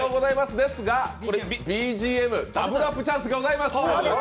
ですが、ＢＧＭ、ダブルアップチャンスございます。